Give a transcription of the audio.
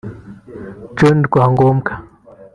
John Rwangombwa